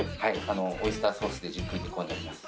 オイスターソースでじっくり煮込んであります。